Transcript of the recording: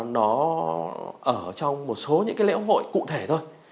nó ở trong một số những cái lễ hội cụ thể thôi